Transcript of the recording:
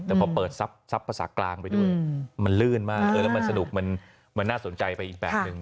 แต่พอเปิดซับภาษากลางไปด้วยมันลื่นมากแล้วมันสนุกมันน่าสนใจไปอีกแบบนึง